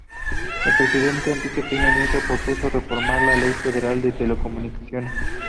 El presidente Enrique Peña Nieto propuso reformar la "Ley Federal de Telecomunicaciones".